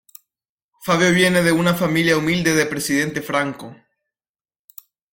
Fabio viene de una familia humilde de Presidente Franco.